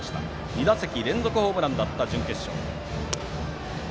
２打席連続ホームランだった準決勝。